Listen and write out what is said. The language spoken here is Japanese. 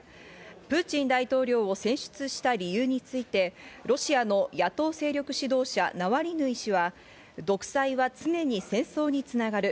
プーチン大統領を選出した理由について、ロシアの野党勢力指導者、ナワリヌイ氏は独裁は常に戦争に繋がる。